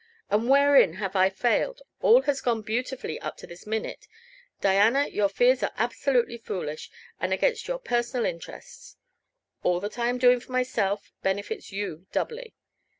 And wherein have I failed? All has gone beautifully up to this minute. Diana, your fears are absolutely foolish, and against your personal interests. All that I am doing for myself benefits you doubly.